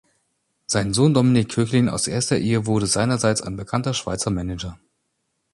Sein Sohn Dominik Koechlin aus erster Ehe wurde seinerseits ein bekannter Schweizer Manager.